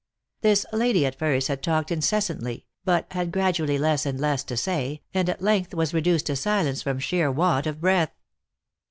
This lady at first had talked inces santly, but had gradually less and less to say, and at length was reduced to silence from sheer want of breath.